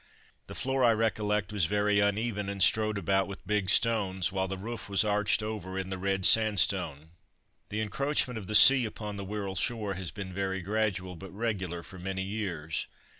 The floor, I recollect, was very uneven and strewed about with big stones, while the roof was arched over in the red sand stone. The encroachment of the sea upon the Wirral shore has been very gradual, but regular, for many years.